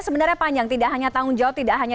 sebenarnya panjang tidak hanya tanggung jawab tidak hanya